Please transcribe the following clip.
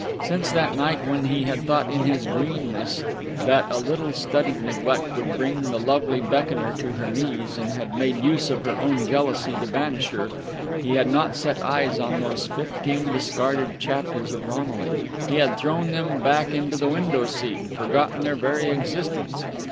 Since that night when he had thought in his greenness that a little studied neglect would bring the lovely Beckoner to her knees, and had made use of her own jealousy to banish her, he had not set eyes on those fifteen discarded chapters of Romilly. He had thrown them back into the window seat, forgotten their very existence.